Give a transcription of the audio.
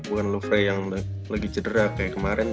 bukan lovre yang lagi cedera kayak kemaren